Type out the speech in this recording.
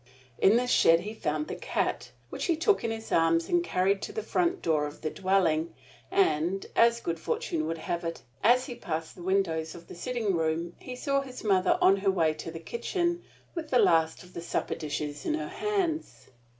In this shed he found the cat, which he took in his arms, and carried to the front door of the dwelling; and, as good fortune would have it, as he passed the windows of the sitting room he saw his mother on her way to the kitchen, with the last of the supper dishes in her hands.